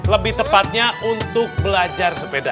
lebih tepatnya untuk belajar sepeda